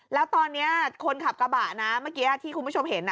แล้วตอนนี้คนขับกระบะนะเมื่อกี้ที่คุณผู้ชมเห็น